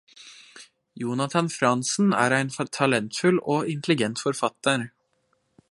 Jonathan Franzen er ein talentfull og intelligent forfattar.